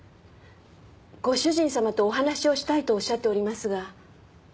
ご主人様とお話をしたいとおっしゃっておりますが。